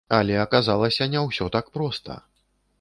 Але аказалася, не ўсё так проста.